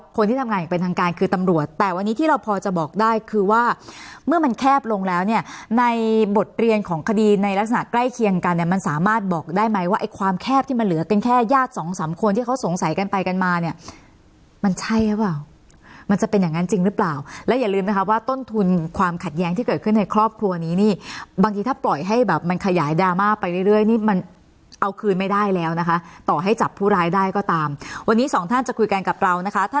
คนที่ทำงานเป็นทางการคือตำรวจแต่วันนี้ที่เราพอจะบอกได้คือว่าเมื่อมันแคบลงแล้วเนี่ยในบทเรียนของคดีในลักษณะใกล้เคียงกันเนี่ยมันสามารถบอกได้ไหมว่าไอ้ความแคบที่มันเหลือกันแค่ญาติสองสามคนที่เขาสงสัยกันไปกันมาเนี่ยมันใช่หรือเปล่ามันจะเป็นอย่างนั้นจริงหรือเปล่าและอย่าลืมนะคะว่าต้